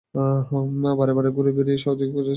বারে-বারে ঘুরে বেরিয়ে, সহযোগী খোঁজার চেষ্টা করো?